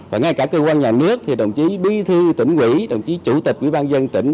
và ngay cả cơ quan nhà nước thì đồng chí bi thi tỉnh quỹ đồng chí chủ tịch ủy ban dân tỉnh